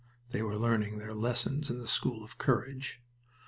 (They were learning their lessons in the school of courage.)